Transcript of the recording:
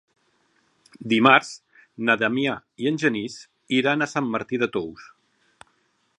Dimarts na Damià i en Genís iran a Sant Martí de Tous.